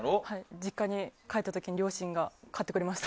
実家に帰った時に両親が買ってくれました。